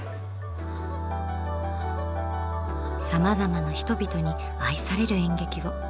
さまざまな人々に愛される演劇を。